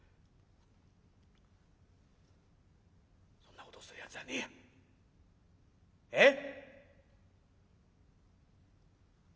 「そんなことをするやつじゃねえや。ええ？」。